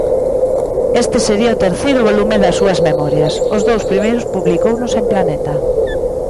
Este sería o terceiro volume das súas memorias, os dous primeiros publicounos en Planeta.